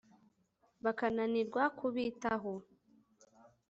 bakananirwa kubitaho